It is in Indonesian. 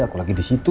aku lagi di situ